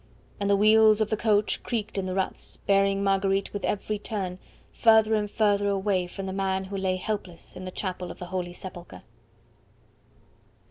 And the wheels of the coach creaked in the ruts, bearing Marguerite with every turn further and further away from the man who lay helpless in the chapel of the Holy Sepulchre.